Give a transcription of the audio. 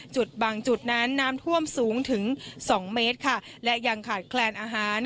จุดบางจุดนั้นน้ำท่วมสูงถึงสองเมตรค่ะและยังขาดแคลนอาหาร